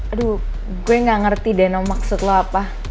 aduh gue nggak ngerti deh maksud lo apa